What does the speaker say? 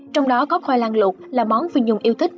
trong đó có khoai lang lụt là món phi nhung yêu thích